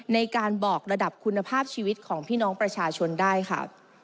ในการบอกระดับคุณภาพชีวิตของพี่น้องประชาชนได้ค่ะ